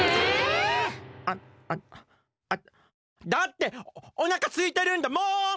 あああだっておなかすいてるんだもん！